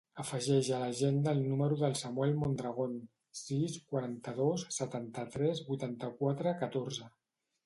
Afegeix a l'agenda el número del Samuel Mondragon: sis, quaranta-dos, setanta-tres, vuitanta-quatre, catorze.